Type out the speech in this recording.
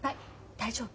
大丈夫？」。